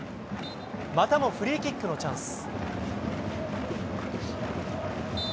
またもフリーキックのチャンス。